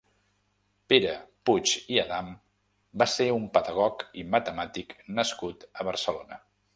Pere Puig i Adam va ser un pedagog i matemàtic nascut a Barcelona.